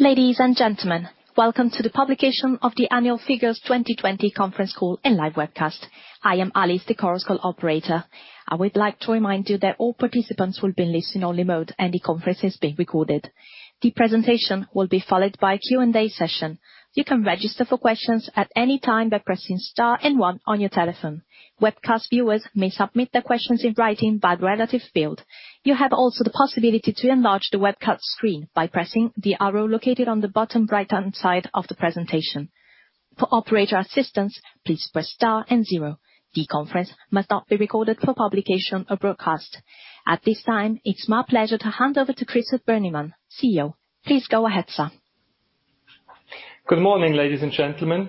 Ladies and gentlemen, welcome to the publication of the annual figures 2020 conference call and live webcast. I am Alice, the conference call operator. I would like to remind you that all participants will be in listen-only mode, and the conference is being recorded. The presentation will be followed by a Q&A session. You can register for questions at any time by pressing star and one on your telephone. Webcast viewers may submit their questions in writing by the relative field. You have also the possibility to enlarge the webcast screen by pressing the arrow located on the bottom right-hand side of the presentation. For operator assistance, please press star and zero. The conference must not be recorded for publication or broadcast. At this time, it's my pleasure to hand over to Christoph Brönnimann, CEO. Please go ahead, sir. Good morning, ladies and gentlemen.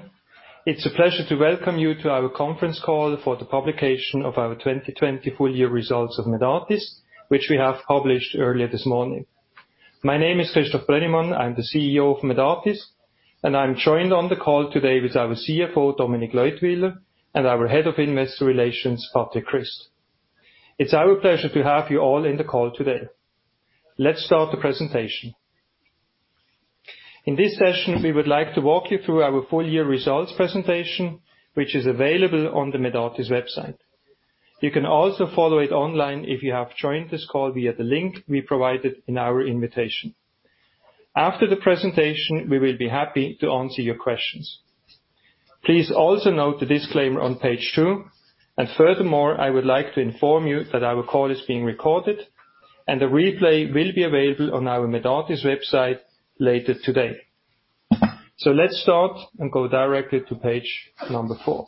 It's a pleasure to welcome you to our conference call for the publication of our 2020 full year results of Medartis, which we have published earlier this morning. My name is Christoph Brönnimann, I'm the CEO of Medartis, and I'm joined on the call today with our CFO, Dominique Leutwyler, and our Head of Investor Relations, Patrick Christ. It's our pleasure to have you all in the call today. Let's start the presentation. In this session, we would like to walk you through our full-year results presentation, which is available on the Medartis website. You can also follow it online if you have joined this call via the link we provided in our invitation. After the presentation, we will be happy to answer your questions. Please also note the disclaimer on page two. Furthermore, I would like to inform you that our call is being recorded, and a replay will be available on our Medartis website later today. Let's start and go directly to page four.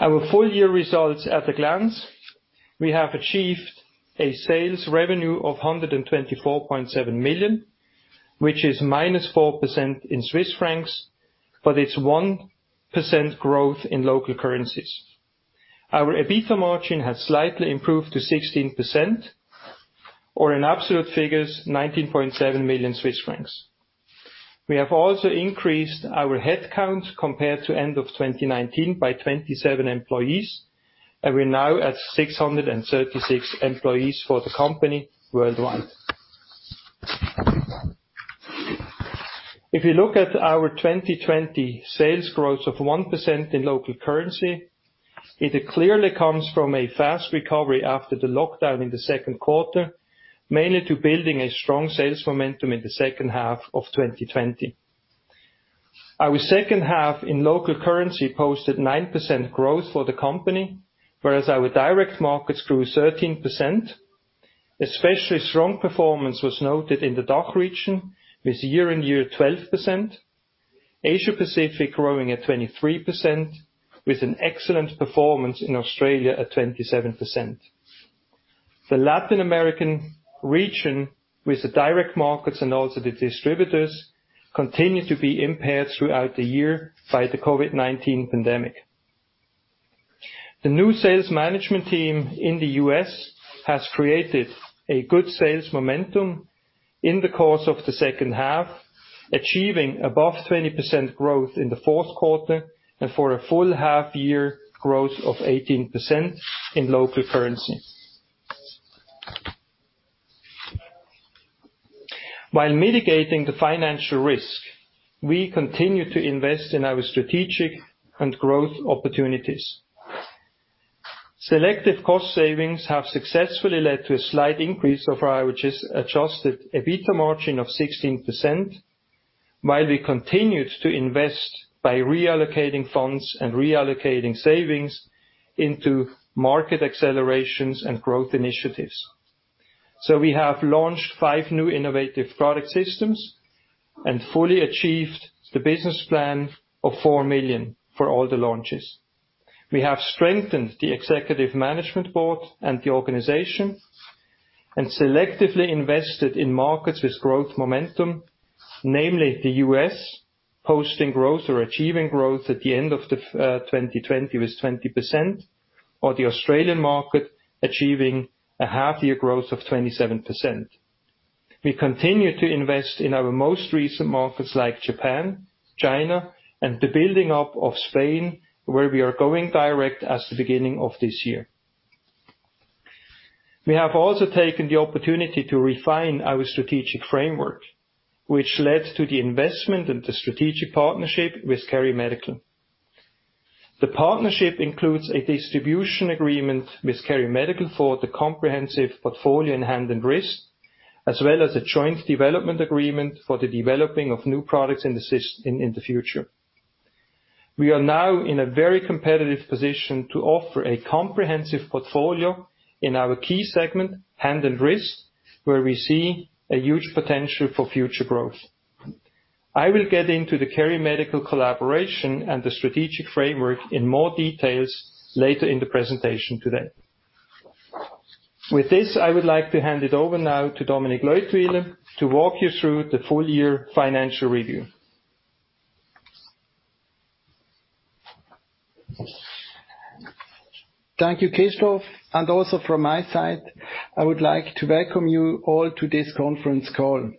Our full year results at a glance. We have achieved a sales revenue of 124.7 million, which is -4% in CHF, but it's 1% growth in local currencies. Our EBITDA margin has slightly improved to 16%, or in absolute figures, 19.7 million Swiss francs. We have also increased our headcount compared to end of 2019 by 27 employees, and we're now at 636 employees for the company worldwide. If you look at our 2020 sales growth of 1% in local currency, it clearly comes from a fast recovery after the lockdown in the second quarter, mainly to building a strong sales momentum in the second half of 2020. Our second half in local currency posted 9% growth for the company, whereas our direct markets grew 13%. Especially strong performance was noted in the DACH region, with year-on-year 12%, Asia Pacific growing at 23%, with an excellent performance in Australia at 27%. The Latin American region, with the direct markets and also the distributors, continued to be impaired throughout the year by the COVID-19 pandemic. The new sales management team in the U.S. has created a good sales momentum in the course of the second half, achieving above 20% growth in the fourth quarter, and for a full half-year growth of 18% in local currency. While mitigating the financial risk, we continue to invest in our strategic and growth opportunities. Selective cost savings have successfully led to a slight increase of our adjusted EBITDA margin of 16%, while we continued to invest by reallocating funds and reallocating savings into market accelerations and growth initiatives. We have launched five new innovative product systems and fully achieved the business plan of 4 million for all the launches. We have strengthened the Executive Management Board and the organization and selectively invested in markets with growth momentum, namely the U.S., posting growth or achieving growth at the end of 2020 with 20%, or the Australian market achieving a half-year growth of 27%. We continue to invest in our most recent markets like Japan, China, and the building up of Spain, where we are going direct as the beginning of this year. We have also taken the opportunity to refine our strategic framework, which led to the investment and the strategic partnership with KeriMedical. The partnership includes a distribution agreement with KeriMedical for the comprehensive portfolio in hand and wrist, as well as a joint development agreement for the developing of new products in the future. We are now in a very competitive position to offer a comprehensive portfolio in our key segment, hand and wrist, where we see a huge potential for future growth. I will get into the KeriMedical collaboration and the strategic framework in more details later in the presentation today. With this, I would like to hand it over now to Dominique Leutwyler to walk you through the full year financial review. Thank you, Christoph. Also from my side, I would like to welcome you all to this conference call.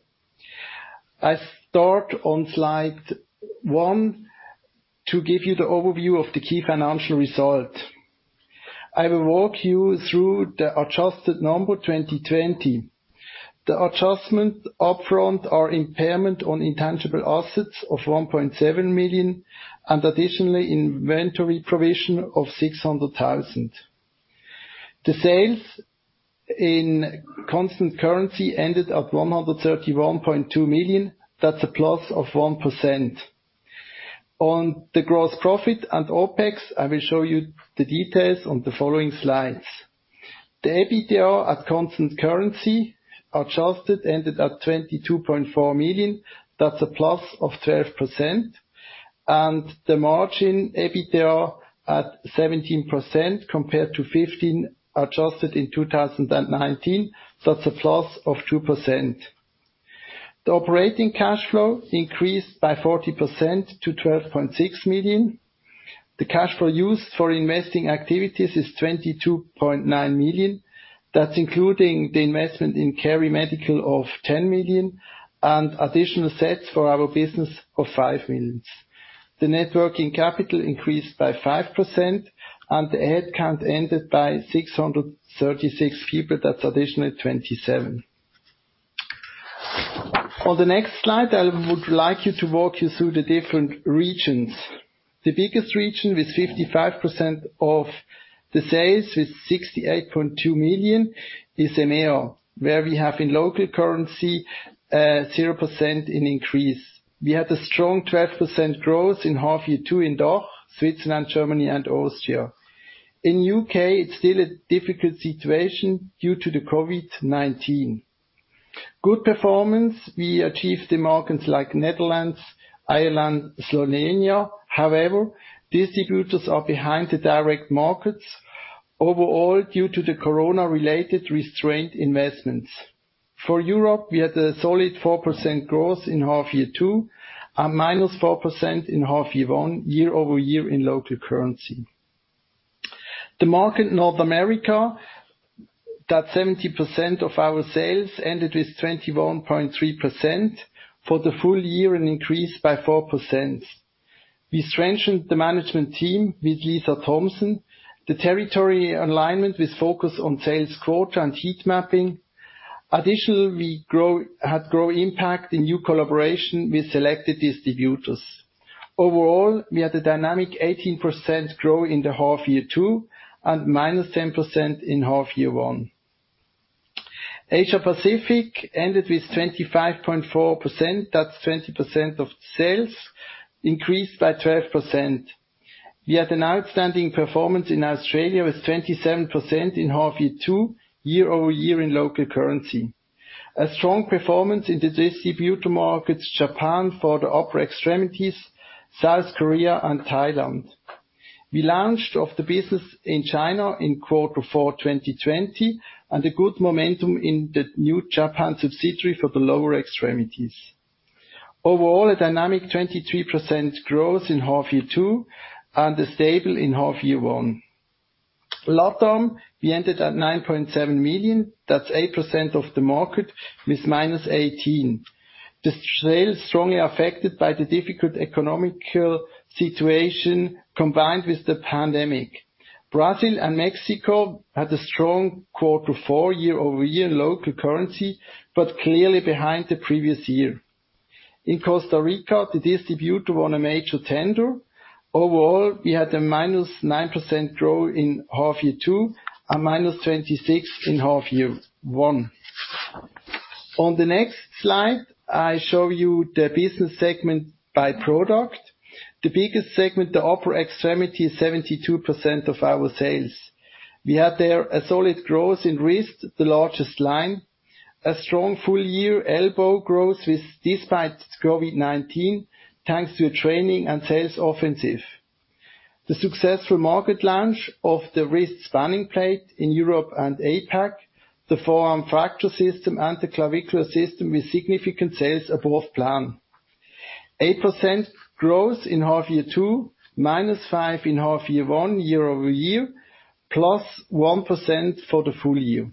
I start on slide one to give you the overview of the key financial result. I will walk you through the adjusted number 2020. The adjustment upfront are impairment on intangible assets of 1.7 million. Additionally, inventory provision of 600,000. The sales in constant currency ended at 131.2 million. That's a plus of 1%. On the gross profit and OpEx, I will show you the details on the following slides. The EBITDA at constant currency adjusted ended at 22.4 million. That's a plus of 12%. The margin EBITDA at 17% compared to 15% adjusted in 2019. That's a plus of 2%. The operating cash flow increased by 40% to 12.6 million. The cash flow used for investing activities is 22.9 million. That's including the investment in KeriMedical of 10 million, and additional sets for our business of 5 million. The net working capital increased by 5%, the headcount ended by 636 people. That's additional 27. On the next slide, I would like you to walk you through the different regions. The biggest region with 55% of the sales with 68.2 million is EMEA, where we have in local currency, 0% in increase. We had a strong 12% growth in half year 2 in DACH, Switzerland, Germany, and Austria. In U.K., it's still a difficult situation due to the COVID-19. Good performance, we achieved in markets like Netherlands, Ireland, Slovenia. Distributors are behind the direct markets. Overall, due to the corona-related restraint investments. For Europe, we had a solid 4% growth in half year two, a -4% in half year one, year-over-year in local currency. The market North America, that 70% of our sales ended with 21.3% for the full year and increased by 4%. We strengthened the management team with Lisa Thompson. The territory alignment with focus on sales quota and heat mapping. Additionally, we had growth impact in new collaboration with selected distributors. Overall, we had a dynamic 18% growth in the half year two and -10% in half year one. Asia Pacific ended with 25.4%. That's 20% of sales increased by 12%. We had an outstanding performance in Australia with 27% in half year two, year-over-year in local currency. A strong performance in the distributor markets, Japan for the upper extremities, South Korea, and Thailand. We launched of the business in China in quarter four 2020, and a good momentum in the new Japan subsidiary for the lower extremities. Overall, a dynamic 23% growth in half year two and a stable in half year one. LATAM, we ended at 9.7 million. That's 8% of the market with -18%. The sales strongly affected by the difficult economic situation combined with the pandemic. Brazil and Mexico had a strong quarter four year-over-year in local currency, clearly behind the previous year. In Costa Rica, the distributor won a major tender. Overall, we had a -9% growth in half year two, a -26% in half year one. On the next slide, I show you the business segment by product. The biggest segment, the upper extremity, is 72% of our sales. We had there a solid growth in wrist, the largest line, a strong full-year elbow growth despite COVID-19, thanks to a training and sales offensive. The successful market launch of the wrist spanning plate in Europe and APAC, the forearm fracture system, and the clavicular system with significant sales above plan. 8% growth in half year two, minus 5% in half year one, year-over-year, +1% for the full year.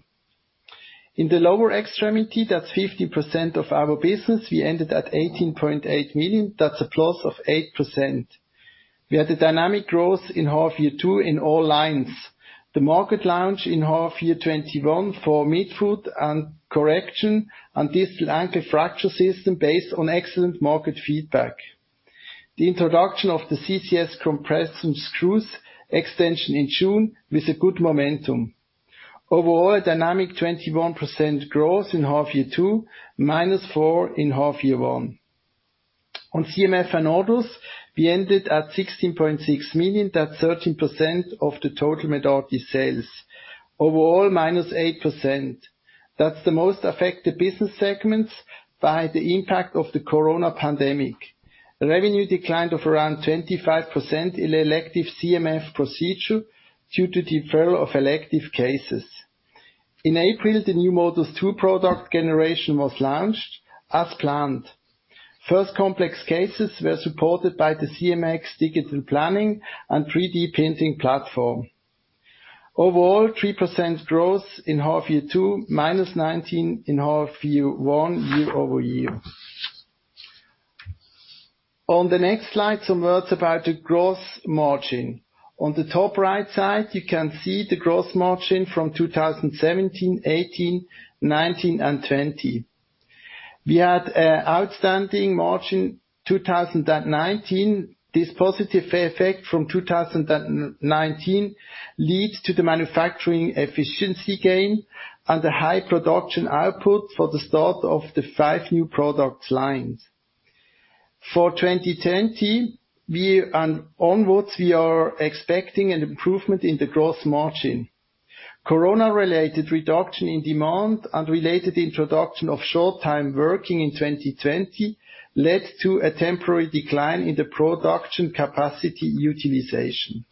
In the lower extremity, that's 50% of our business, we ended at 18.8 million. That's a plus of 8%. We had a dynamic growth in half year two in all lines. The market launch in half year 2021 for midfoot and correction and distal ankle fracture system based on excellent market feedback. The introduction of the CCS compression screws extension in June with a good momentum. Overall, a dynamic 21% growth in half year two, minus 4% in half year one. On CMF and others, we ended at 16.6 million. That's 13% of the total Medartis sales. Overall, -8%. That's the most affected business segments by the impact of the COVID-19 pandemic. Revenue declined of around 25% in elective CMF procedure due to deferral of elective cases. In April, the new MODUS 2 product generation was launched as planned. First complex cases were supported by the CMX digital planning and 3D printing platform. Overall, 3% growth in half year two, -19% in half year one, year-over-year. On the next slide, some words about the growth margin. On the top right side, you can see the growth margin from 2017, 2018, 2019, and 2020. We had outstanding margin 2019. This positive effect from 2019 leads to the manufacturing efficiency gain and the high production output for the start of the five new product lines. For 2020 and onwards, we are expecting an improvement in the growth margin. COVID-19-related reduction in demand and related introduction of short-time working in 2020 led to a temporary decline in the production capacity utilization.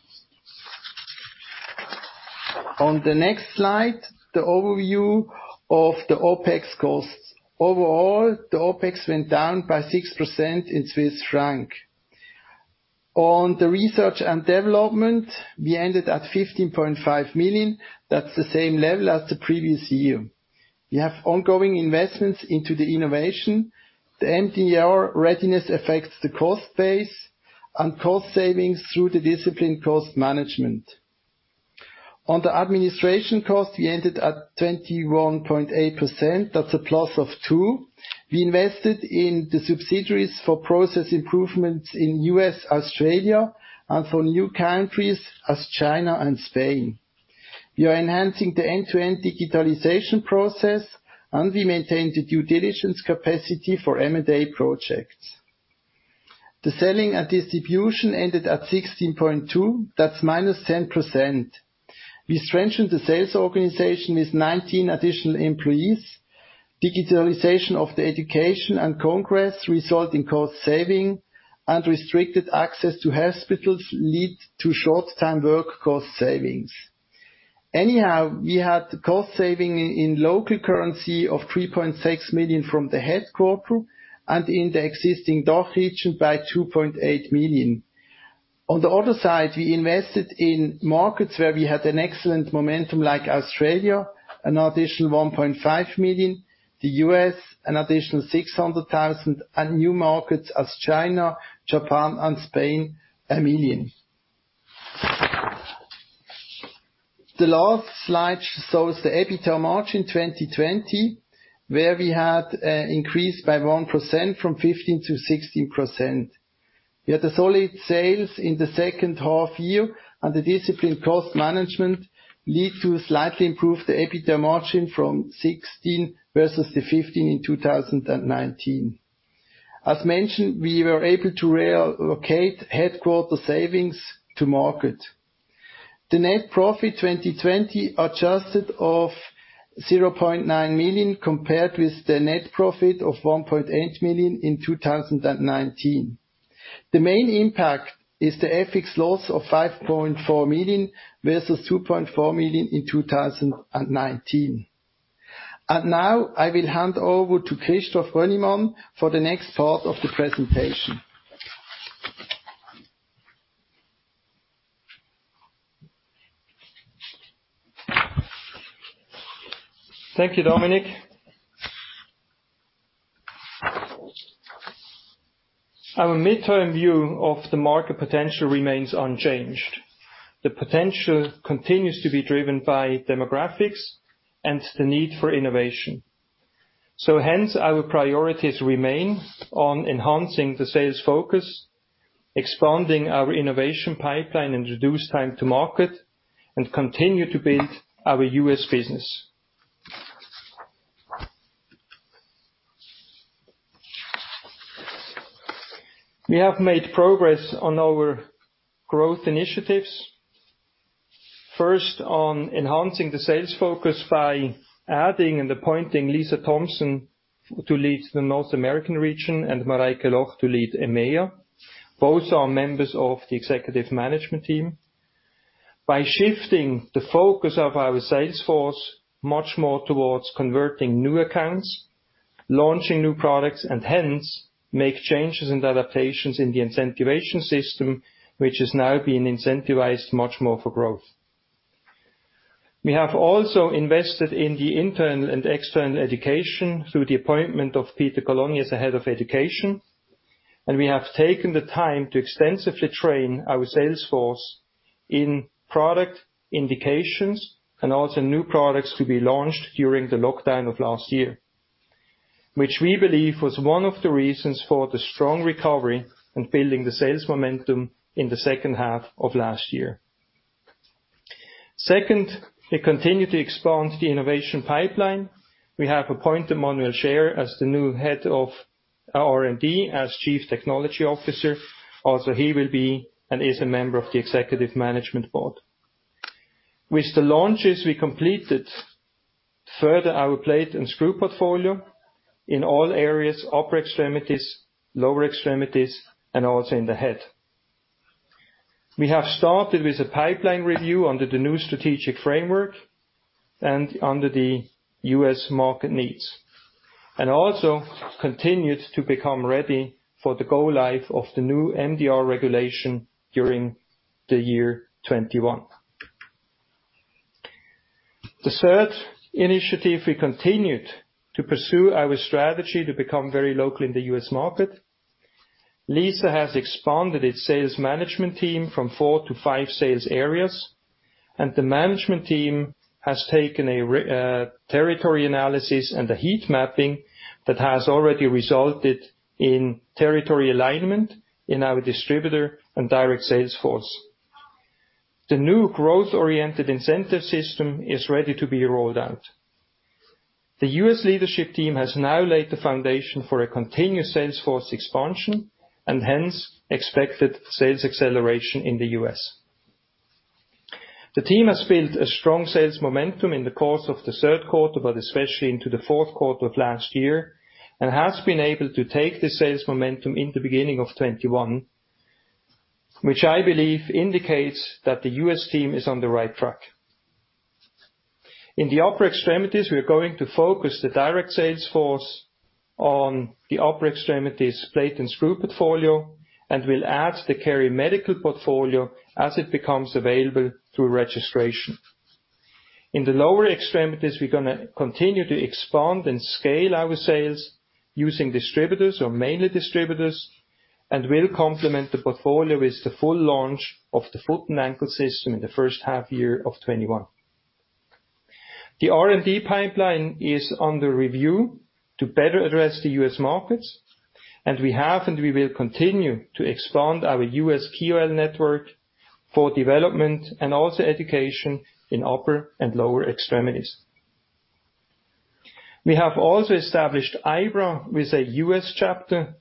On the next slide, the overview of the OpEx costs. Overall, the OpEx went down by 6% in CHF. On the R&D, we ended at 15.5 million. That's the same level as the previous year. We have ongoing investments into the innovation. The MDR readiness affects the cost base and cost savings through the disciplined cost management. On the administration costs, we ended at 21.8%. That's a plus of 2%. We invested in the subsidiaries for process improvements in U.S., Australia, and for new countries as China and Spain. We are enhancing the end-to-end digitalization process. We maintain the due diligence capacity for M&A projects. The selling and distribution ended at 16.2%, that's -10%. We strengthened the sales organization with 19 additional employees. Digitalization of the education and congress result in cost saving. Restricted access to hospitals lead to short-time work cost savings. We had cost saving in local currency of 3.6 million from the headquarter, and in the existing DACH region by 2.8 million. On the other side, we invested in markets where we had an excellent momentum, like Australia, an additional 1.5 million, the U.S., an additional 600,000, and new markets as China, Japan, and Spain, 1 million. The last slide shows the EBITDA margin 2020, where we had increase by 1% from 15% to 16%. We had a solid sales in the second half-year. The disciplined cost management lead to slightly improve the EBITDA margin from 16% versus the 15% in 2019. As mentioned, we were able to relocate headquarter savings to market. The net profit 2020 adjusted of 0.9 million, compared with the net profit of 1.8 million in 2019. The main impact is the FX loss of 5.4 million, versus 2.4 million in 2019. Now I will hand over to Christoph Brönnimann for the next part of the presentation. Thank you, Dominique. Our midterm view of the market potential remains unchanged. The potential continues to be driven by demographics and the need for innovation. Hence, our priorities remain on enhancing the sales focus, expanding our innovation pipeline and reduce time to market, and continue to build our U.S. business. We have made progress on our growth initiatives. First, on enhancing the sales focus by adding and appointing Lisa Thompson to lead the North American region, and Mareike Loch to lead EMEA. Both are members of the executive management team. By shifting the focus of our sales force much more towards converting new accounts, launching new products, and hence, make changes and adaptations in the incentivation system, which is now being incentivized much more for growth. We have also invested in the internal and external education through the appointment of Peter Colonius as the Head of Education, and we have taken the time to extensively train our sales force in product indications, and also new products to be launched during the lockdown of last year, which we believe was one of the reasons for the strong recovery in building the sales momentum in the second half of last year. Second, we continue to expand the innovation pipeline. We have appointed Manuel Schaer as the new Head of our R&D as Chief Technology Officer. Also, he will be, and is a member of the Executive Management Board. With the launches, we completed further our plate and screw portfolio in all areas, upper extremities, lower extremities, and also in the head. We have started with a pipeline review under the new strategic framework and under the U.S. market needs, and also continued to become ready for the go-live of the new MDR regulation during the year 2021. The third initiative, we continued to pursue our strategy to become very local in the U.S. market. Lisa has expanded its sales management team from four to five sales areas, and the management team has taken a territory analysis and a heat mapping that has already resulted in territory alignment in our distributor and direct sales force. The new growth-oriented incentive system is ready to be rolled out. The U.S. leadership team has now laid the foundation for a continued sales force expansion, and hence, expected sales acceleration in the U.S. The team has built a strong sales momentum in the course of the third quarter, but especially into the fourth quarter of last year, and has been able to take the sales momentum in the beginning of 2021, which I believe indicates that the U.S. team is on the right track. In the upper extremities, we are going to focus the direct sales force on the upper extremities plate and screw portfolio, and we'll add the KeriMedical portfolio as it becomes available through registration. In the lower extremities, we're going to continue to expand and scale our sales using distributors or mainly distributors, and we'll complement the portfolio with the full launch of the foot and ankle system in the first half year of 2021. The R&D pipeline is under review to better address the U.S. markets, and we have, and we will continue to expand our U.S. KOL network for development and also education in upper and lower extremities. We have also established IBRA with a U.S. chapter,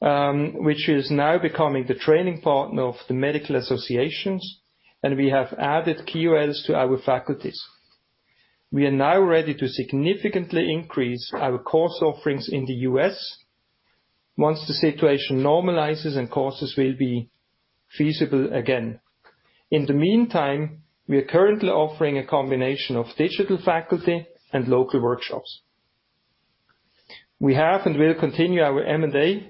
which is now becoming the training partner of the medical associations, and we have added KOLs to our faculties. We are now ready to significantly increase our course offerings in the U.S. once the situation normalizes and courses will be feasible again. In the meantime, we are currently offering a combination of digital faculty and local workshops. We have and will continue our M&A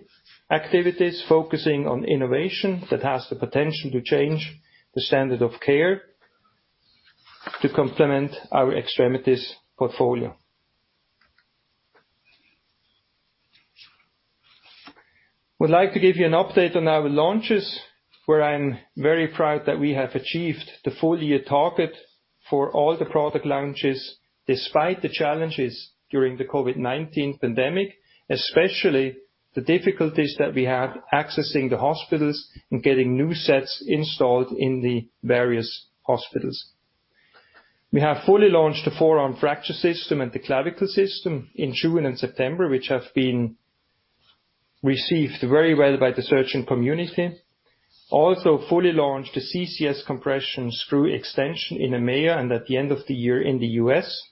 activities, focusing on innovation that has the potential to change the standard of care to complement our extremities portfolio. Would like to give you an update on our launches, where I'm very proud that we have achieved the full-year target for all the product launches, despite the challenges during the COVID-19 pandemic, especially the difficulties that we had accessing the hospitals and getting new sets installed in the various hospitals. We have fully launched the forearm fracture system and the clavicle system in June and September, which have been received very well by the surgeon community. Also fully launched the CCS compression screw extension in EMEA, and at the end of the year, in the U.S.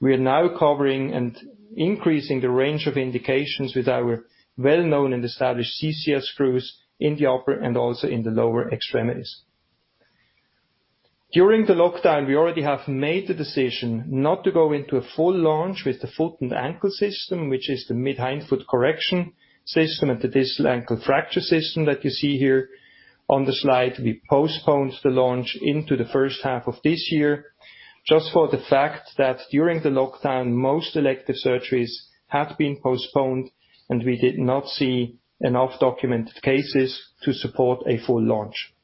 We are now covering and increasing the range of indications with our well-known and established CCS screws in the upper and also in the lower extremities. During the lockdown, we already have made the decision not to go into a full launch with the foot and ankle system, which is the mid-hindfoot correction system and the distal ankle fracture system that you see here on the slide. We postponed the launch into the first half of this year, just for the fact that during the lockdown, most elective surgeries had been postponed, and we did not see enough documented cases to support a full launch.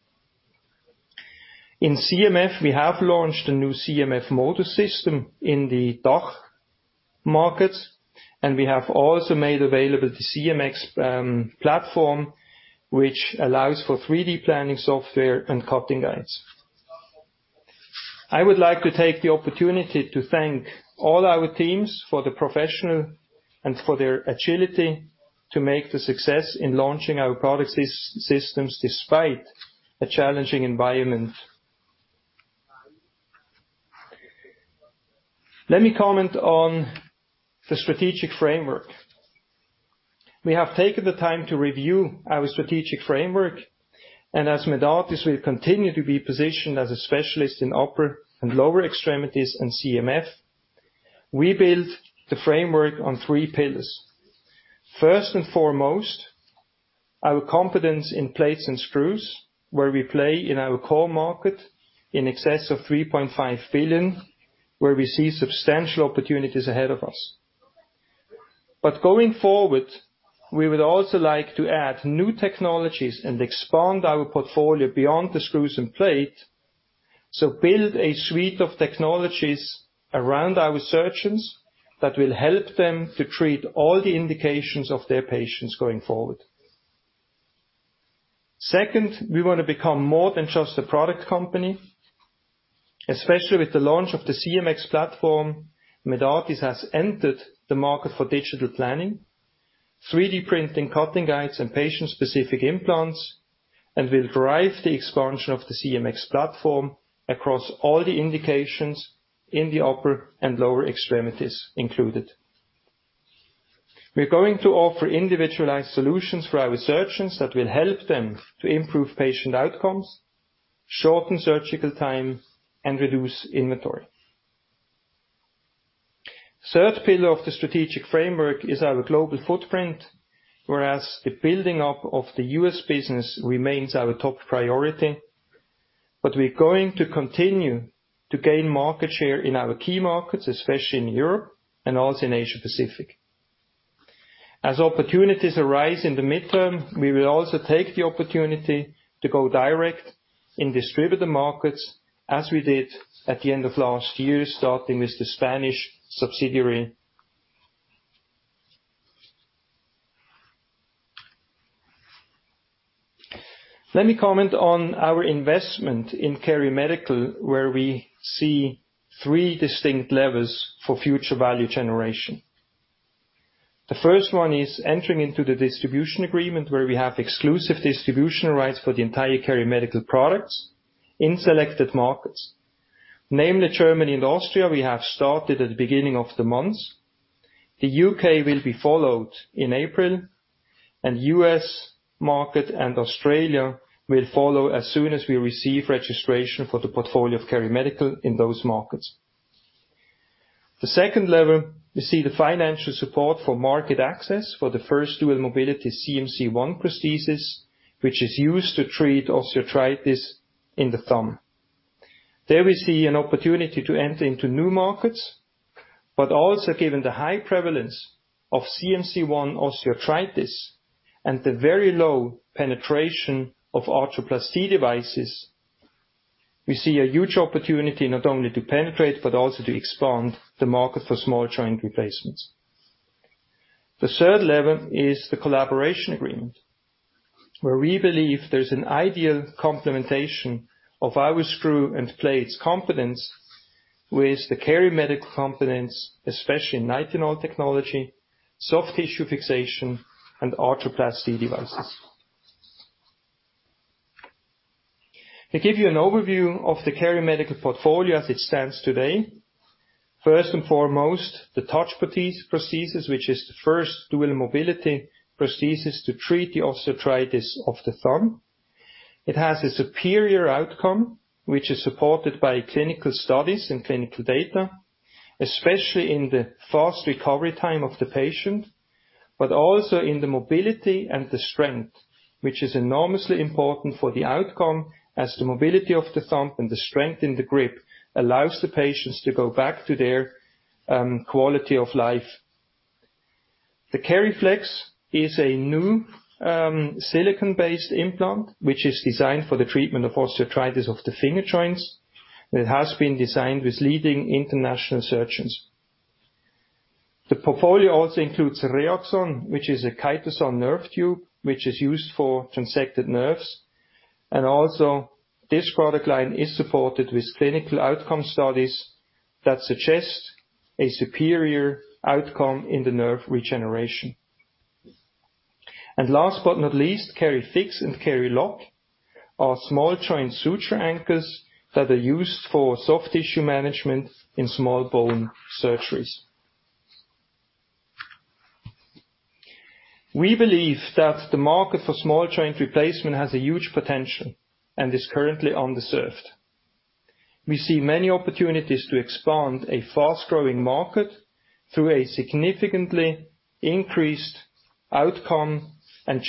In CMF, we have launched a new CMF motor system in the DACH markets. We have also made available the CMX platform, which allows for 3D planning software and cutting guides. I would like to take the opportunity to thank all our teams for the professional and for their agility to make the success in launching our product systems despite a challenging environment. Let me comment on the strategic framework. We have taken the time to review our strategic framework, and as Medartis, we continue to be positioned as a specialist in upper and lower extremities and CMF. We built the framework on three pillars. First and foremost, our competence in plates and screws, where we play in our core market in excess of 3.5 billion, where we see substantial opportunities ahead of us. Going forward, we would also like to add new technologies and expand our portfolio beyond the screws and plate. Build a suite of technologies around our surgeons that will help them to treat all the indications of their patients going forward. Second, we want to become more than just a product company. Especially with the launch of the CMX platform, Medartis has entered the market for digital planning, 3D printing cutting guides and patient-specific implants, and will drive the expansion of the CMX platform across all the indications in the upper and lower extremities included. We're going to offer individualized solutions for our surgeons that will help them to improve patient outcomes, shorten surgical time, and reduce inventory. Third pillar of the strategic framework is our global footprint, whereas the building up of the U.S. business remains our top priority. We're going to continue to gain market share in our key markets, especially in Europe and also in Asia-Pacific. As opportunities arise in the mid-term, we will also take the opportunity to go direct in distributor markets as we did at the end of last year, starting with the Spanish subsidiary. Let me comment on our investment in KeriMedical, where we see three distinct levels for future value generation. The first one is entering into the distribution agreement, where we have exclusive distribution rights for the entire KeriMedical products in selected markets. Namely, Germany and Austria, we have started at the beginning of the month. The U.K. will be followed in April. U.S. market and Australia will follow as soon as we receive registration for the portfolio of KeriMedical in those markets. The second level, we see the financial support for market access for the first dual-mobility CMC I prosthesis, which is used to treat osteoarthritis in the thumb. There we see an opportunity to enter into new markets, but also given the high prevalence of CMC I osteoarthritis and the very low penetration of arthroplasty devices, we see a huge opportunity not only to penetrate but also to expand the market for small joint replacements. The third level is the collaboration agreement, where we believe there's an ideal complementation of our screw and plates competence with the KeriMedical competence, especially in nitinol technology, soft tissue fixation, and arthroplasty devices. To give you an overview of the KeriMedical portfolio as it stands today. First and foremost, the TOUCH prosthesis, which is the first dual-mobility prosthesis to treat the osteoarthritis of the thumb. It has a superior outcome, which is supported by clinical studies and clinical data, especially in the fast recovery time of the patient, but also in the mobility and the strength, which is enormously important for the outcome as the mobility of the thumb and the strength in the grip allows the patients to go back to their quality of life. The KeriFlex is a new silicon-based implant, which is designed for the treatment of osteoarthritis of the finger joints. It has been designed with leading international surgeons. The portfolio also includes Reaxon, which is a chitosan nerve tube, which is used for transected nerves. This product line is supported with clinical outcome studies that suggest a superior outcome in the nerve regeneration. KeriFix and KeriLock are small joint suture anchors that are used for soft tissue management in small bone surgeries. We believe that the market for small joint replacement has a huge potential and is currently underserved. We see many opportunities to expand a fast-growing market through a significantly increased outcome and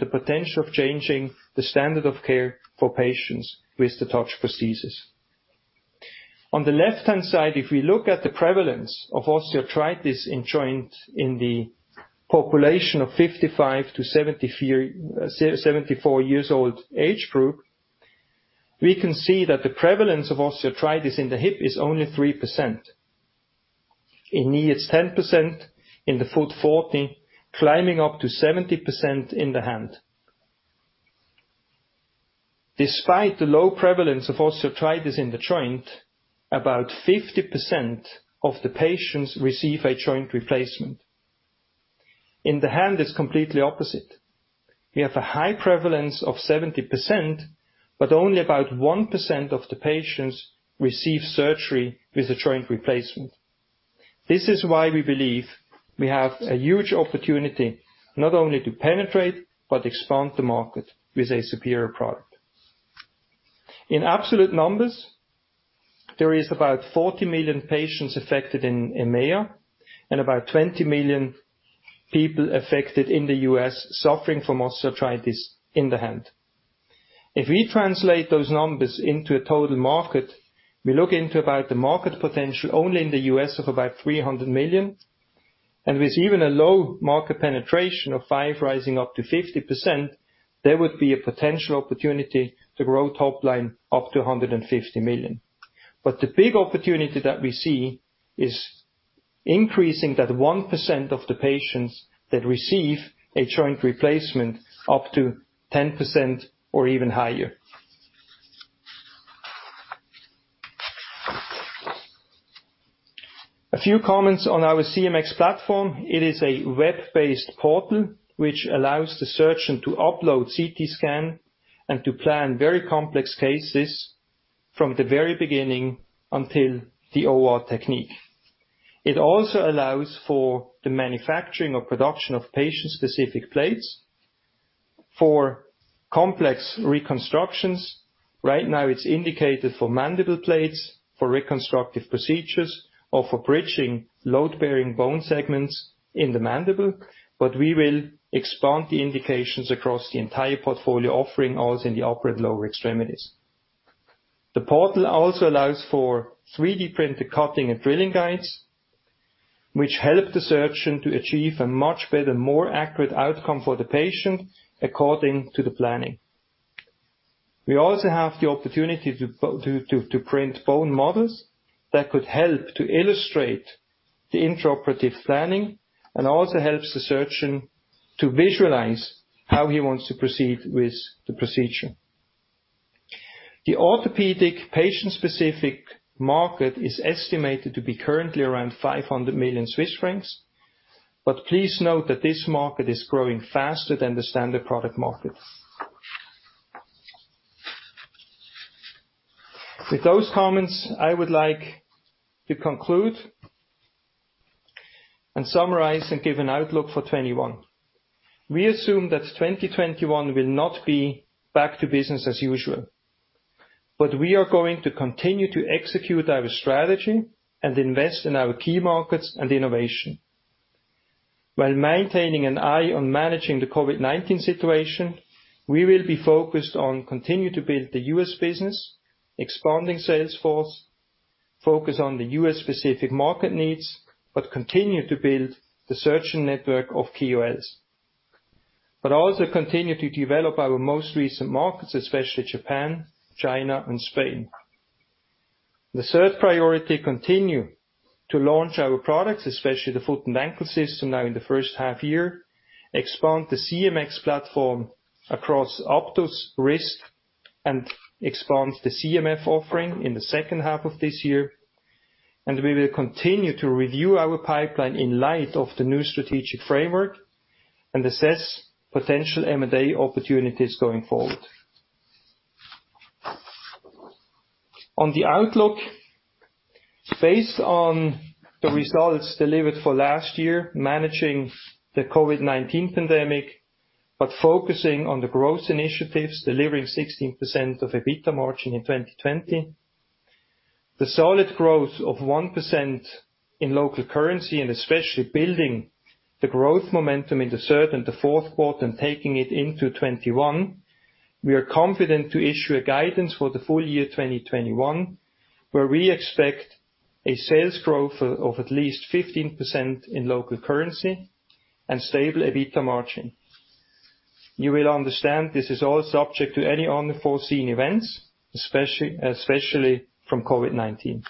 the potential of changing the standard of care for patients with the TOUCH prosthesis. On the left-hand side, if we look at the prevalence of osteoarthritis in joints in the population of 55-74 years old age group, we can see that the prevalence of osteoarthritis in the hip is only 3%. In knee, it's 10%, in the foot 14%, climbing up to 70% in the hand. Despite the low prevalence of osteoarthritis in the joint, about 50% of the patients receive a joint replacement. In the hand, it's completely opposite. We have a high prevalence of 70%, but only about 1% of the patients receive surgery with a joint replacement. This is why we believe we have a huge opportunity not only to penetrate but expand the market with a superior product. In absolute numbers, there is about 40 million patients affected in EMEA, and about 20 million people affected in the U.S. suffering from osteoarthritis in the hand. If we translate those numbers into a total market, we look into about the market potential only in the U.S. of about 300 million. With even a low market penetration of 5% rising up to 50%, there would be a potential opportunity to grow top line up to 150 million. The big opportunity that we see is increasing that 1% of the patients that receive a joint replacement up to 10% or even higher. A few comments on our CMX platform. It is a web-based portal which allows the surgeon to upload CT scan and to plan very complex cases. From the very beginning until the OR technique. It also allows for the manufacturing or production of patient-specific plates for complex reconstructions. Right now, it is indicated for mandible plates, for reconstructive procedures, or for bridging load-bearing bone segments in the mandible. We will expand the indications across the entire portfolio offering, also in the upper and lower extremities. The portal also allows for 3D-printed cutting and drilling guides, which help the surgeon to achieve a much better, more accurate outcome for the patient according to the planning. We also have the opportunity to print bone models that could help to illustrate the intraoperative planning, and also helps the surgeon to visualize how he wants to proceed with the procedure. The orthopedic patient-specific market is estimated to be currently around 500 million Swiss francs. Please note that this market is growing faster than the standard product market. With those comments, I would like to conclude, summarize and give an outlook for 2021. We assume that 2021 will not be back to business as usual. We are going to continue to execute our strategy and invest in our key markets and innovation. While maintaining an eye on managing the COVID-19 situation, we will be focused on continue to build the U.S. business, expanding sales force, focus on the U.S.-specific market needs, but continue to build the surgeon network of KOLs. Also continue to develop our most recent markets, especially Japan, China, and Spain. The third priority, continue to launch our products, especially the foot and ankle system now in the first half year, expand the CMX platform across APTUS Wrist, expand the CMF offering in the second half of this year. We will continue to review our pipeline in light of the new strategic framework, and assess potential M&A opportunities going forward. On the outlook, based on the results delivered for last year, managing the COVID-19 pandemic, but focusing on the growth initiatives, delivering 16% of EBITDA margin in 2020. The solid growth of 1% in local currency, especially building the growth momentum in the third and the fourth quarter and taking it into 2021, we are confident to issue a guidance for the full year 2021, where we expect a sales growth of at least 15% in local currency and stable EBITDA margin. You will understand this is all subject to any unforeseen events, especially from COVID-19.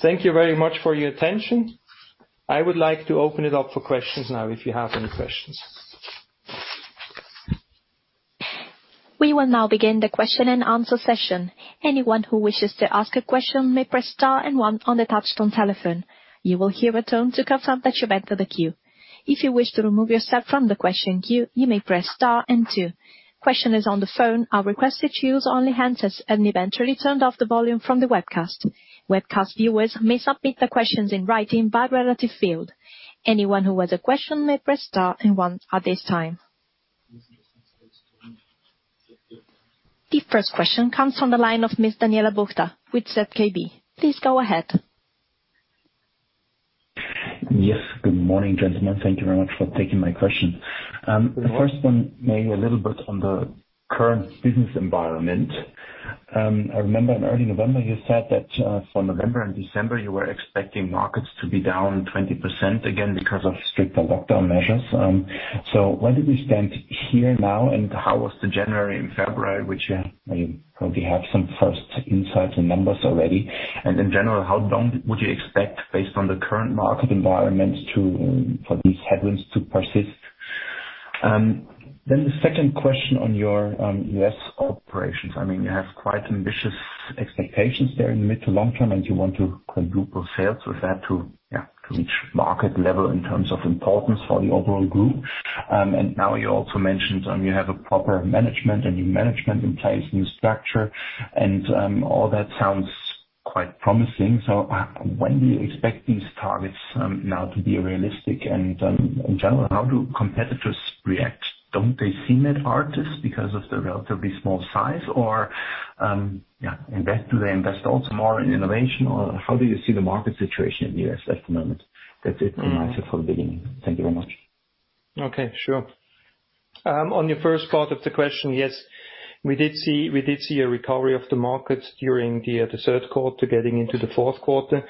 Thank you very much for your attention. I would like to open it up for questions now, if you have any questions. We will now begin the question and answer session. Anyone who wishes to ask a question may press star and one on the touch-tone telephone. You will hear a tone to confirm that you entered the queue. If you wish to remove yourself from the question queue, you may press star and two. Questioners on the phone are requested to use only handsets and eventually turned off the volume from the webcast. Webcast viewers may submit their questions in writing by relative field. Anyone who has a question may press star and one at this time. The first question comes from the line of Ms. Daniela Bucher with ZKB. Please go ahead. Yes. Good morning, gentlemen. Thank you very much for taking my question. The first one may be a little bit on the current business environment. I remember in early November you said that for November and December, you were expecting markets to be down 20% again because of stricter lockdown measures. Where do we stand here now, and how was the January and February, which you probably have some first insights and numbers already? In general, how long would you expect, based on the current market environment, for these headwinds to persist? The second question on your U.S. operations. You have quite ambitious expectations there in mid to long-term, and you want to quadruple sales with that to reach market level in terms of importance for the overall group. Now you also mentioned you have a proper management, a new management in place, new structure, and all that sounds quite promising. When do you expect these targets now to be realistic? In general, how do competitors react? Don't they see Medartis because of the relatively small size? Do they invest also more in innovation? How do you see the market situation in the U.S. at the moment? That's it from my side for the beginning. Thank you very much. Okay, sure. On your first part of the question, yes, we did see a recovery of the markets during the third quarter, getting into the fourth quarter.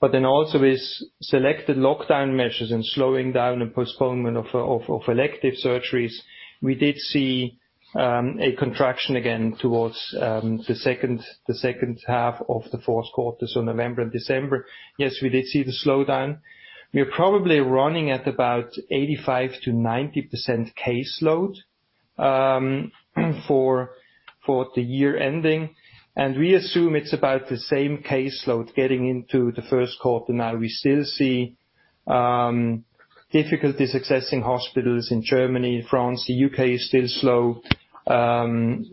Also with selected lockdown measures and slowing down and postponement of elective surgeries, we did see a contraction again towards the second half of the fourth quarter, so November and December. Yes, we did see the slowdown. We are probably running at about 85%-90% caseload for the year ending, and we assume it's about the same caseload getting into the first quarter. We still see difficulties accessing hospitals in Germany, France, the U.K. is still slow.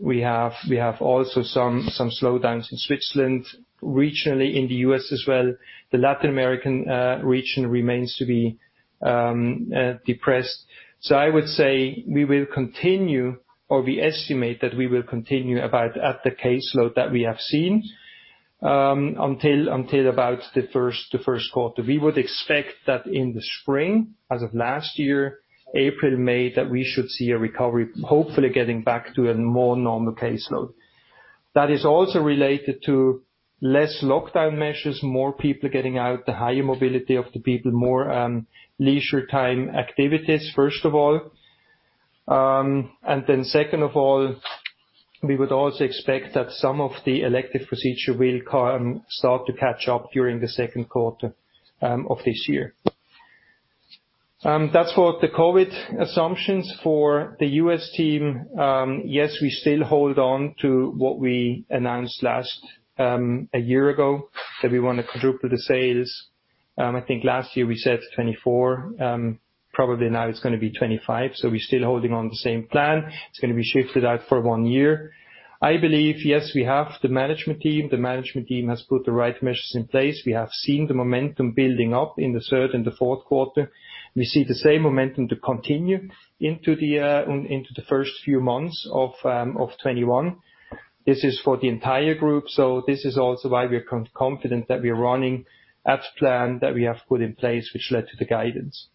We have also some slowdowns in Switzerland, regionally in the U.S. as well. The Latin American region remains to be depressed. I would say we will continue, or we estimate that we will continue about at the caseload that we have seen until about the first quarter. We would expect that in the spring, as of last year, April, May, that we should see a recovery, hopefully getting back to a more normal caseload. That is also related to less lockdown measures, more people getting out, the higher mobility of the people, more leisure time activities, first of all. Second of all, we would also expect that some of the elective procedure will start to catch up during the second quarter of this year. That's for the COVID assumptions. For the U.S. team, yes, we still hold on to what we announced a year ago, that we want to quadruple the sales. I think last year we said 2024. Probably now it's going to be 2025. We're still holding on the same plan. It's going to be shifted out for one year. I believe, yes, we have the management team. The management team has put the right measures in place. We have seen the momentum building up in the third and the fourth quarter. We see the same momentum to continue into the first few months of 2021. This is for the entire group, this is also why we are confident that we are running as planned, that we have put in place which led to the guidance.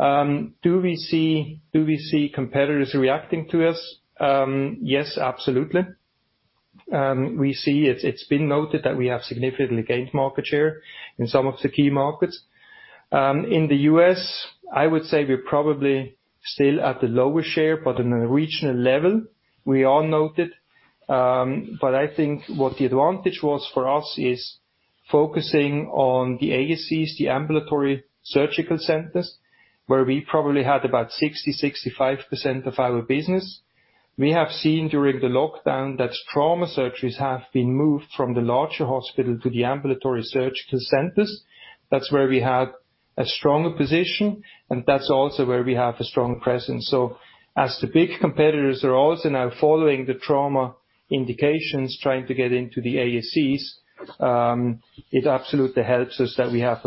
Do we see competitors reacting to us? Yes, absolutely. We see it. It's been noted that we have significantly gained market share in some of the key markets. In the U.S., I would say we're probably still at the lower share, but on a regional level, we all noted. I think what the advantage was for us is focusing on the ASCs, the ambulatory surgical centers, where we probably had about 60%-65% of our business. We have seen during the lockdown that trauma surgeries have been moved from the larger hospital to the ambulatory surgical centers. That's where we have a stronger position, and that's also where we have a strong presence. As the big competitors are also now following the trauma indications, trying to get into the ASCs, it absolutely helps us that we have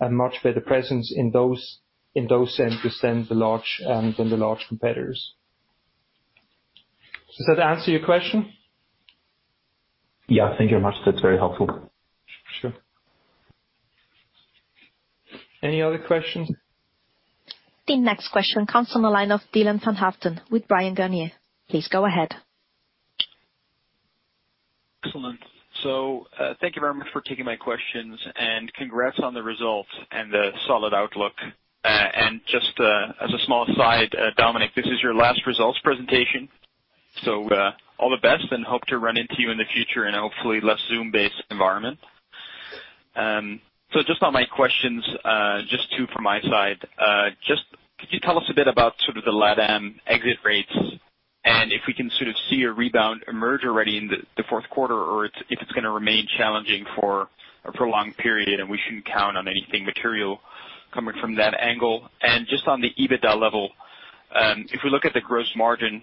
a much better presence in those centers than the large competitors. Does that answer your question? Yeah. Thank you much. That's very helpful. Sure. Any other questions? The next question comes from the line of Dylan van Haaften with Bryan, Garnier & Co. Please go ahead. Excellent. Thank you very much for taking my questions, and congrats on the results and the solid outlook. Just as a small aside, Dominique, this is your last results presentation. All the best, and hope to run into you in the future in a hopefully less Zoom-based environment. Just on my questions, just two from my side. Could you tell us a bit about the LATAM exit rates and if we can sort of see a rebound emerge already in the fourth quarter, or if it's going to remain challenging for a prolonged period and we shouldn't count on anything material coming from that angle? Just on the EBITDA level, if we look at the gross margin,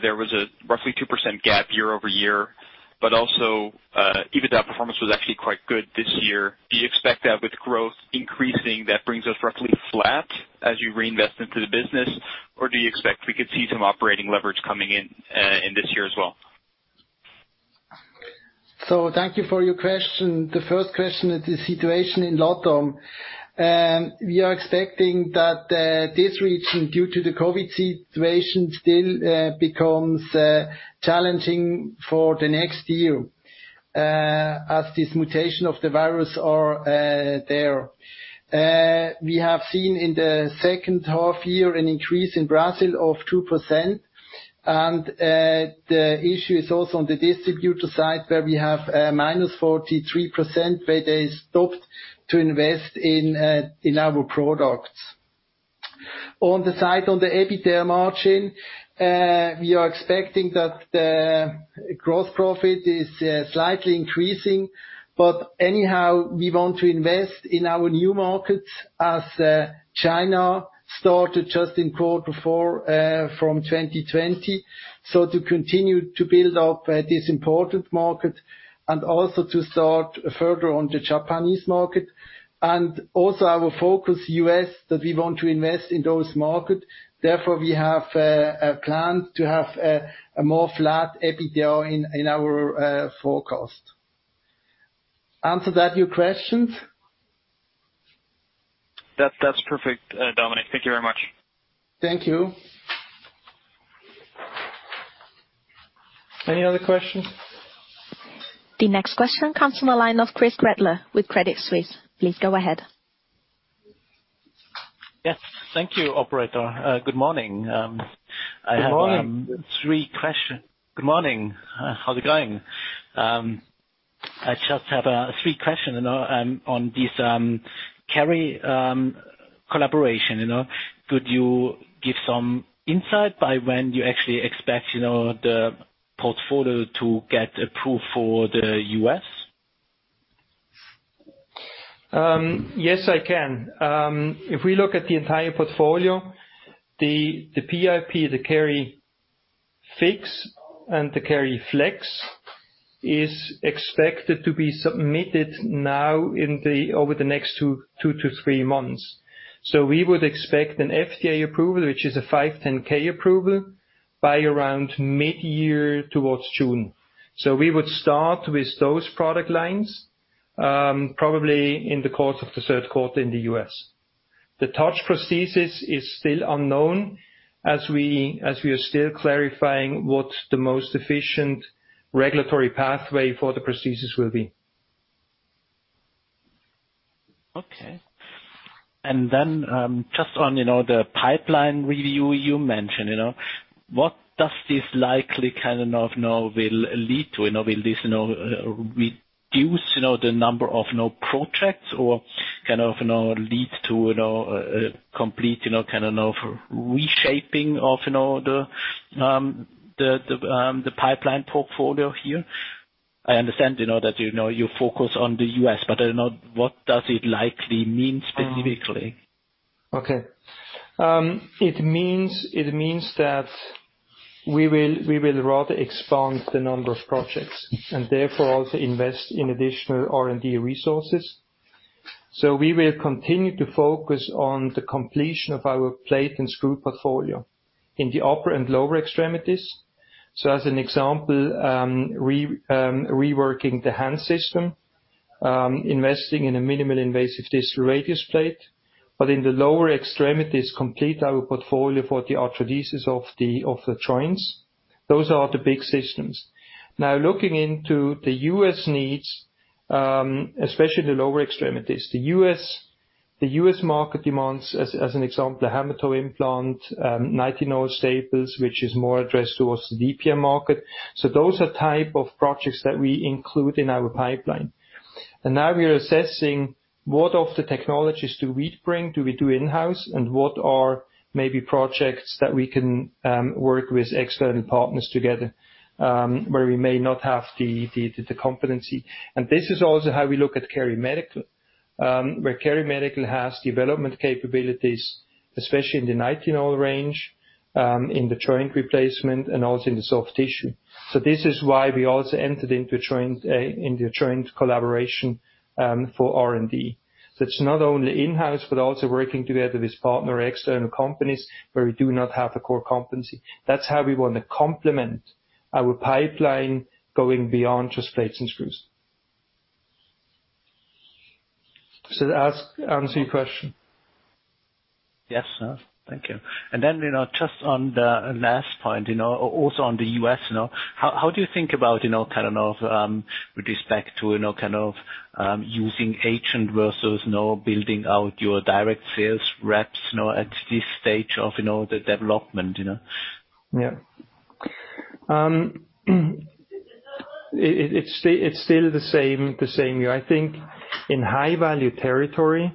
there was a roughly 2% gap year-over-year, but also EBITDA performance was actually quite good this year. Do you expect that with growth increasing, that brings us roughly flat as you reinvest into the business, or do you expect we could see some operating leverage coming in this year as well? Thank you for your question. The first question is the situation in LATAM. We are expecting that this region, due to the COVID situation, still becomes challenging for the next year, as this mutation of the virus are there. We have seen in the second half year an increase in Brazil of 2%. The issue is also on the distributor side, where we have a -43%, where they stopped to invest in our products. On the side on the EBITDA margin, we are expecting that the gross profit is slightly increasing. Anyhow, we want to invest in our new markets, as China started just in quarter four from 2020. To continue to build up this important market and also to start further on the Japanese market. Also our focus U.S., that we want to invest in those markets. We have a plan to have a more flat EBITDA in our forecast. Answer that your questions? That's perfect, Dominic. Thank you very much. Thank you. Any other questions? The next question comes from the line of Christoph Gretler with Credit Suisse. Please go ahead. Yes. Thank you, Operator. Good morning. Good morning. Good morning. How's it going? I just have three questions on this Keri-collaboration. Could you give some insight by when you actually expect the portfolio to get approved for the U.S.? Yes, I can. If we look at the entire portfolio, the PIP, the KeriFix and the KeriFlex, is expected to be submitted now over the next two to three months. We would expect an FDA approval, which is a 510 approval, by around mid-year towards June. We would start with those product lines, probably in the course of the third quarter in the U.S. The TOUCH prosthesis is still unknown, as we are still clarifying what the most efficient regulatory pathway for the prosthesis will be. Okay. Just on the pipeline review you mentioned. What does this likely will lead to? Will this reduce the number of projects or lead to a complete reshaping of the pipeline portfolio here? I understand that you focus on the U.S., but I don't know what does it likely mean specifically? Okay. It means that we will rather expand the number of projects, therefore also invest in additional R&D resources. We will continue to focus on the completion of our plate and screw portfolio in the upper and lower extremities. As an example, reworking the hand system, investing in a minimal invasive distal radius plate, but in the lower extremities, complete our portfolio for the arthrodesis of the joints. Those are the big systems. Now looking into the U.S. needs, especially the lower extremities. The U.S. market demands, as an example, the hammer toe implant, nitinol staples, which is more addressed towards the DPM market. Those are type of projects that we include in our pipeline. Now we are assessing what of the technologies do we bring, do we do in-house, and what are maybe projects that we can work with external partners together, where we may not have the competency. This is also how we look at KeriMedical, where KeriMedical has development capabilities, especially in the nitinol range, in the joint replacement, and also in the soft tissue. This is why we also entered into a joint collaboration for R&D. It's not only in-house, but also working together with partner external companies where we do not have the core competency. That's how we want to complement our pipeline going beyond just plates and screws. Does that answer your question? Yes, thank you. Just on the last point, also on the U.S. How do you think about with respect to using agent versus building out your direct sales reps at this stage of the development? It's still the same here. I think in high-value territory,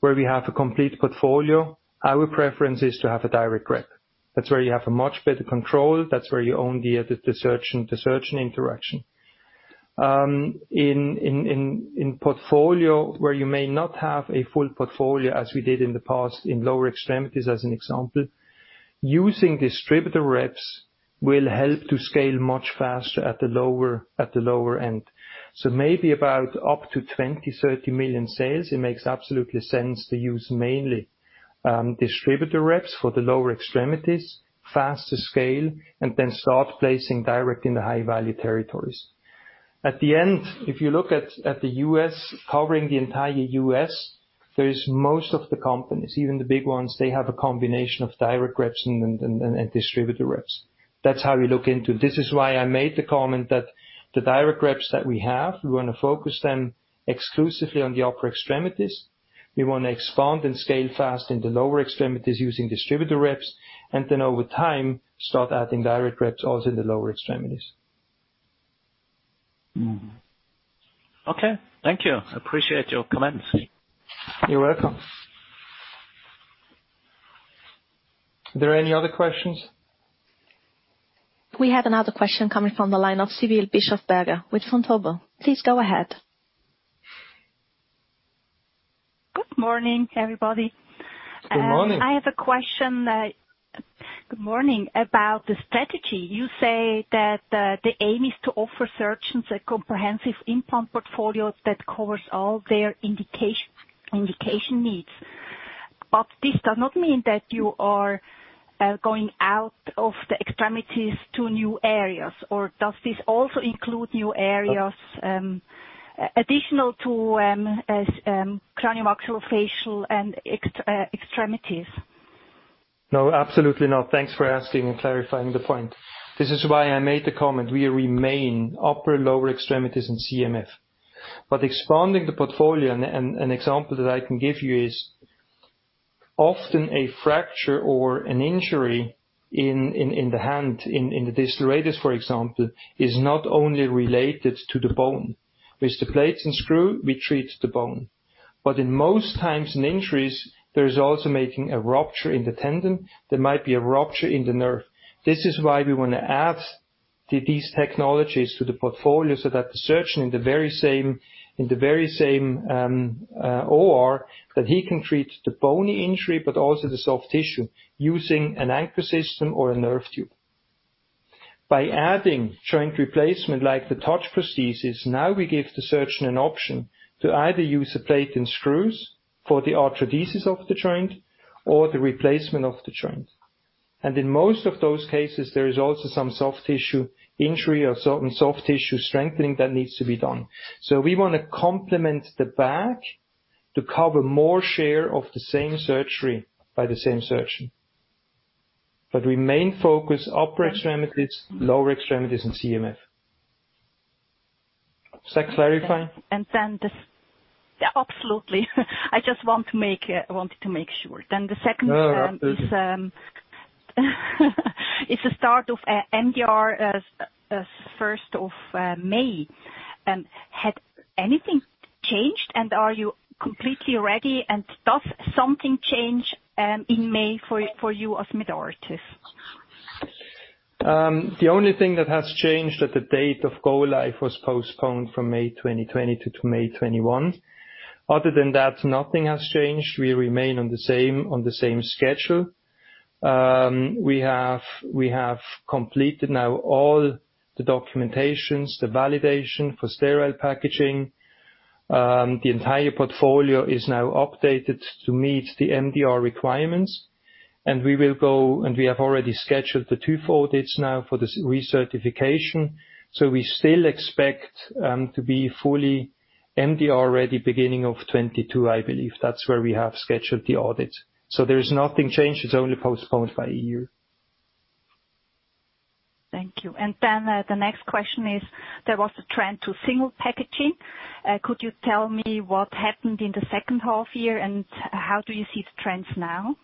where we have a complete portfolio, our preference is to have a direct rep. That's where you have a much better control. That's where you own the surgeon interaction. In portfolio where you may not have a full portfolio as we did in the past in lower extremities as an example, using distributor reps will help to scale much faster at the lower end. Maybe about up to 20 million, 30 million sales, it makes absolute sense to use mainly distributor reps for the lower extremities, faster scale, and then start placing direct in the high-value territories. At the end, if you look at the U.S., covering the entire U.S., there is most of the companies, even the big ones, they have a combination of direct reps and distributor reps. This is why I made the comment that the direct reps that we have, we want to focus them exclusively on the upper extremities. We want to expand and scale fast in the lower extremities using distributor reps, and then over time, start adding direct reps also in the lower extremities. Mm-hmm. Okay. Thank you. Appreciate your comments. You're welcome. Are there any other questions? We have another question coming from the line of Sibylle Bischofberger with Vontobel. Please go ahead. Good morning, everybody. Good morning. I have a question, Good morning, about the strategy. You say that the aim is to offer surgeons a comprehensive implant portfolio that covers all their indication needs. This does not mean that you are going out of the extremities to new areas, or does this also include new areas additional to cranio-maxillofacial and extremities? No, absolutely not. Thanks for asking and clarifying the point. This is why I made the comment, we remain upper and lower extremities and CMF. Expanding the portfolio, and an example that I can give you is, often a fracture or an injury in the hand, in the distal radius, for example, is not only related to the bone. With the plates and screw, we treat the bone. In most times in injuries, there is also making a rupture in the tendon, there might be a rupture in the nerve. This is why we want to add these technologies to the portfolio so that the surgeon in the very same OR, that he can treat the bony injury, but also the soft tissue using an anchor system or a nerve tube. By adding joint replacement like the TOUCH prosthesis, now we give the surgeon an option to either use a plate and screws for the arthrodesis of the joint or the replacement of the joint. In most of those cases, there is also some soft tissue injury or certain soft tissue strengthening that needs to be done. We want to complement the bag to cover more share of the same surgery by the same surgeon. Our main focus, upper extremities, lower extremities, and CMF. Does that clarify? Yes. Absolutely. I just wanted to make sure. No, absolutely. It's the start of MDR as the 1st of May. Has anything changed, and are you completely ready, and does something change in May for you as Medartis? The only thing that has changed at the date of go-live was postponed from May 2020 to May 2021. Other than that, nothing has changed. We remain on the same schedule. We have completed now all the documentations, the validation for sterile packaging. The entire portfolio is now updated to meet the MDR requirements. We have already scheduled the two fold dates now for the recertification. We still expect to be fully MDR-ready beginning of 2022, I believe. That's where we have scheduled the audit. There is nothing changed. It's only postponed by a year. Thank you. The next question is, there was a trend to single packaging. Could you tell me what happened in the second half year, and how do you see the trends now?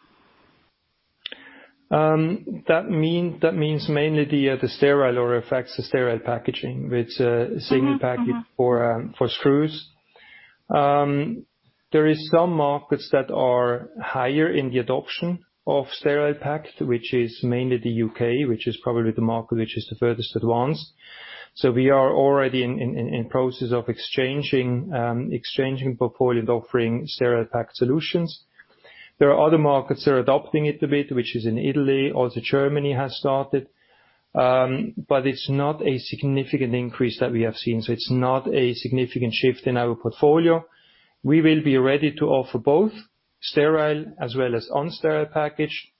That means mainly the sterile or affects the sterile packaging. with a single packaging for screws. There is some markets that are higher in the adoption of sterile packs, which is mainly the U.K., which is probably the market which is the furthest advanced. We are already in process of exchanging portfolio, offering sterile pack solutions. There are other markets that are adopting it a bit, which is in Italy, also Germany has started. It's not a significant increase that we have seen, so it's not a significant shift in our portfolio. We will be ready to offer both sterile as well as unsterile package,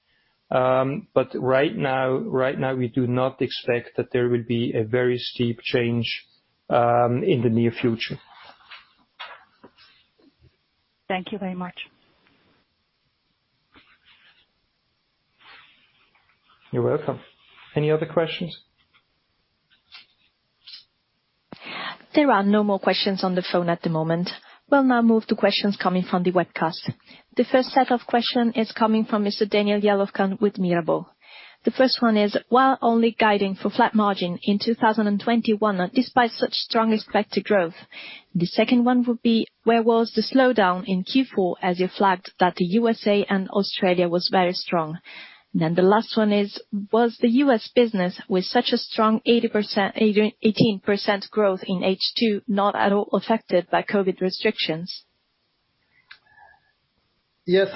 but right now we do not expect that there will be a very steep change in the near future. Thank you very much. You're welcome. Any other questions? There are no more questions on the phone at the moment. We'll now move to questions coming from the webcast. The first set of question is coming from Mr. Daniel Jelovcan with Mirabaud. The first one is, while only guiding for flat margin in 2021, despite such strong expected growth? The second one would be, where was the slowdown in Q4 as you flagged that the USA and Australia was very strong? The last one is, was the U.S. business with such a strong 18% growth in H2 not at all affected by COVID restrictions? Yes,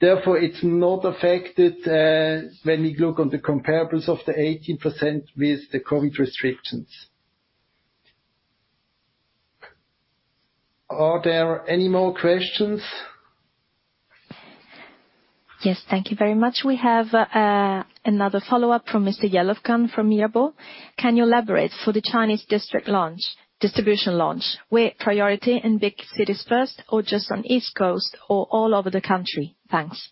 thank you very much. We have another follow-up from Mr. Jelovcan from Mirabaud. Can you elaborate for the Chinese district distribution launch, were priority in big cities first or just on East Coast or all over the country? Thanks.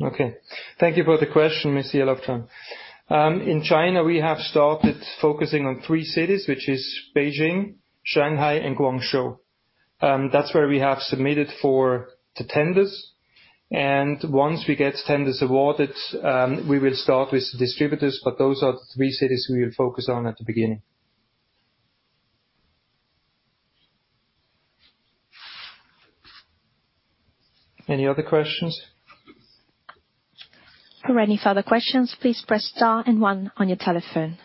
Okay. Thank you for the question, Mr. Jelovcan. In China, we have started focusing on three cities, which is Beijing, Shanghai, and Guangzhou. That's where we have submitted for the tenders, and once we get tenders awarded, we will start with distributors, but those are the three cities we will focus on at the beginning. Any other questions? For any further questions, please press star and one on your telephone.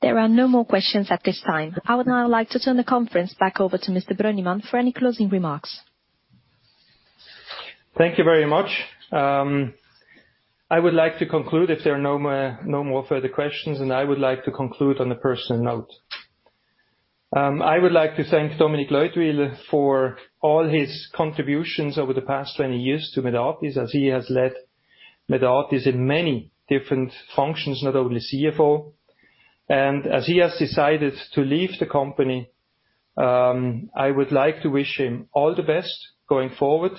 There are no more questions at this time. I would now like to turn the conference back over to Mr. Brönnimann for any closing remarks. Thank you very much. I would like to conclude if there are no more further questions, and I would like to conclude on a personal note. I would like to thank Dominique Leutwyler for all his contributions over the past 20 years to Medartis, as he has led Medartis in many different functions, not only CFO. As he has decided to leave the company, I would like to wish him all the best going forward.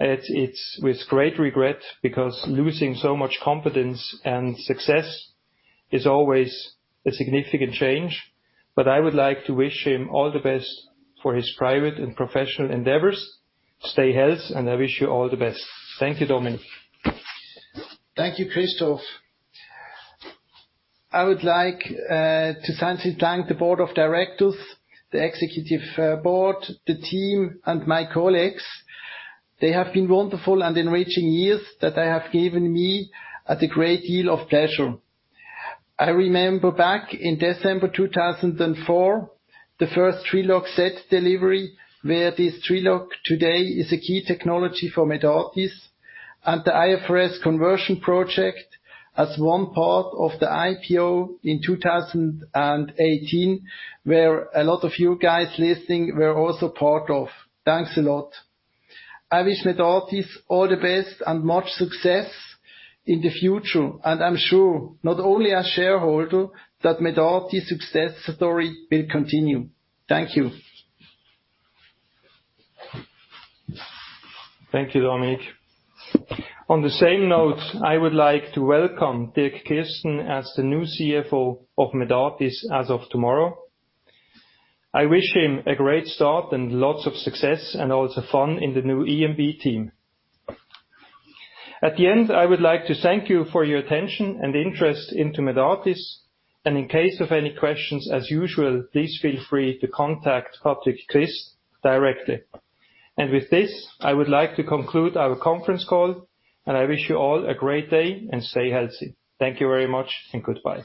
It's with great regret because losing so much competence and success is always a significant change, but I would like to wish him all the best for his private and professional endeavors. Stay healthy, and I wish you all the best. Thank you, Dominique. Thank you, Christoph. I would like to sincerely thank the board of directors, the executive board, the team, and my colleagues. They have been wonderful and enriching years that they have given me a great deal of pleasure. I remember back in December 2004, the first TriLock set delivery, where this TriLock today is a key technology for Medartis, and the IFRS conversion project as one part of the IPO in 2018, where a lot of you guys listening were also part of. Thanks a lot. I wish Medartis all the best and much success in the future. I'm sure, not only as shareholder, that Medartis success story will continue. Thank you. Thank you, Dominique. On the same note, I would like to welcome Dirk Kirsten as the new CFO of Medartis as of tomorrow. I wish him a great start and lots of success and also fun in the new EMB team. At the end, I would like to thank you for your attention and interest into Medartis, and in case of any questions, as usual, please feel free to contact Patrick Christ directly. With this, I would like to conclude our conference call, and I wish you all a great day, and stay healthy. Thank you very much, and goodbye.